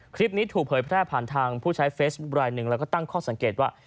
คลิปนี้ถูกเผยแพร่ผ่านทางผู้ใช้เฟซบุ๊คลายหนึ่งแล้วก็ตั้งข้อสังเกตว่า